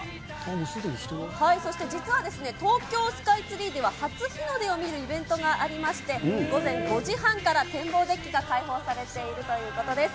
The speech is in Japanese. そして実は、東京スカイツリーでは初日の出を見るイベントがありまして、午前５時半から天望デッキが開放されているということです。